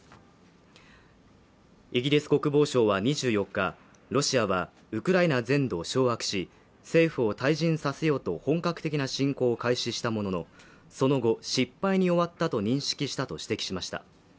イギリス国防省は２４日、ロシアはウクライナ全土を掌握し、政府を退陣させようと本格的な侵攻を開始したものの、その後、失敗に終わったと認識したと指摘しました。